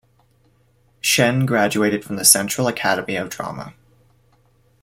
Chen graduated from the Central Academy of Drama.